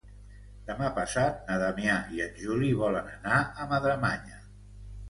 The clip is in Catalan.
Demà passat na Damià i en Juli volen anar a Madremanya.